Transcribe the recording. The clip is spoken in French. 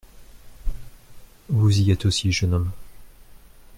Vous y êtes aussi, jeune homme.